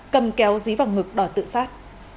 cầm kéo dí vào ngực đỏ tự xác